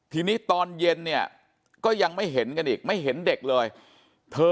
ทีนี้ตอนเย็นเนี่ยก็ยังไม่เห็นกันอีกไม่เห็นเด็กเลยเธอ